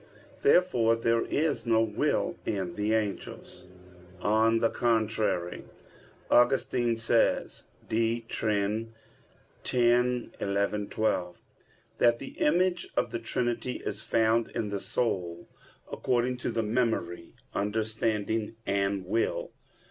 Therefore there is no will in the angels. On the contrary, Augustine says (De Trin. x, 11,12) that the image of the Trinity is found in the soul according to memory, understanding, and will.